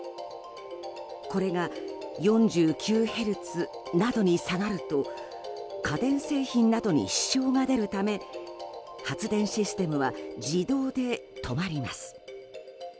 これが４９ヘルツなどに下がると家電製品などに支障が出るため発電システムは自動で止まります。